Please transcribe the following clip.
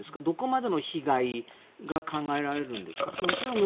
どこまでの被害が考えられるんですか？